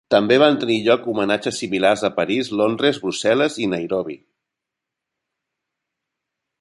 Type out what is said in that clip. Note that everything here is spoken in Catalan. També van tenir lloc homenatges similars a París, Londres, Brussel·les i Nairobi.